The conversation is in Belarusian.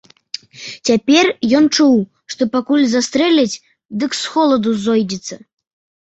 Цяпер ён чуў, што пакуль застрэляць, дык з холаду зойдзецца.